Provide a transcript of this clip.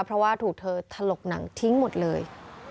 เพราะว่าถูกเธอถลกหนังทิ้งหมดเลย